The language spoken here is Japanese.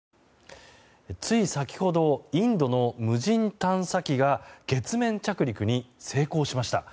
つい先ほどインドの無人探査機が月面着陸に成功しました。